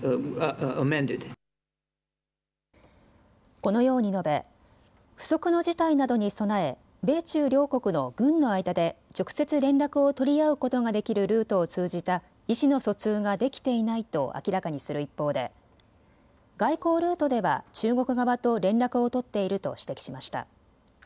このように述べ不測の事態などに備え米中両国の軍の間で直接連絡を取り合うことができるルートを通じた意思の疎通ができていないと明らかにする一方で外交ルートでは中国側と連絡を取っていると指摘しました。